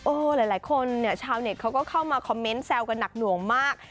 หลายคนเนี่ยชาวเน็ตเขาก็เข้ามาคอมเมนต์แซวกันหนักหน่วงมาก